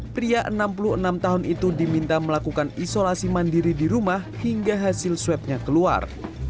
pria enam puluh enam tahun itu diminta melakukan isolasi mandiri di rumah hingga hasil swabnya keluar